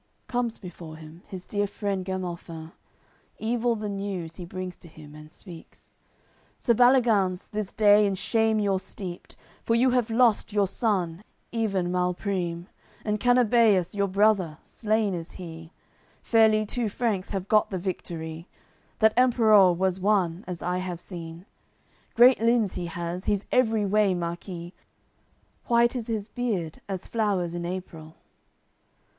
Comes before him his dear friend Gemalfin, Evil the news he brings to him and speaks: "Sir Baliganz, this day in shame you're steeped; For you have lost your son, even Malprime; And Canabeus, your brother, slain is he. Fairly two Franks have got the victory; That Emperour was one, as I have seen; Great limbs he has, he's every way Marquis, White is his beard as flowers in April."